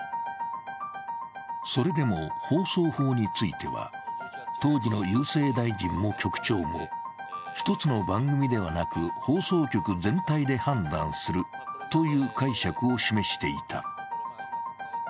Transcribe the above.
それでも放送法については、当時の郵政大臣も局長も、一つの番組ではなく放送局全体で判断するという解釈を示していた。